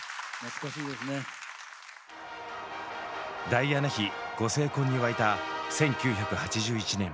ダイアナ妃ご成婚に沸いた１９８１年。